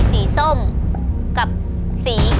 ขอเชิญแสงเดือนมาต่อชีวิต